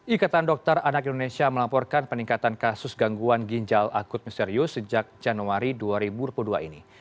ikatan dokter anak indonesia melaporkan peningkatan kasus gangguan ginjal akut misterius sejak januari dua ribu dua puluh dua ini